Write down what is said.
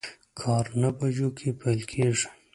کار نهه بجو کی پیل کیږي